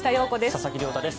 佐々木亮太です。